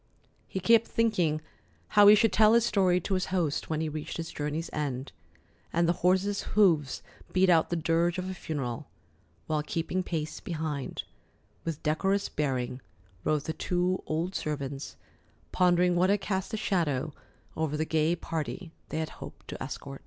He kept thinking how he should tell his story to his host when he reached his journey's end, and the horses' hoofs beat out the dirge of a funeral; while keeping pace behind, with decorous bearing, rode the two old servants, pondering what had cast a shadow over the gay party they had hoped to escort.